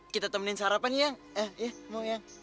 kita temenin sarapan iya mau iya